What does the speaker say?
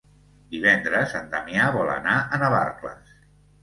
Divendres en Damià vol anar a Navarcles.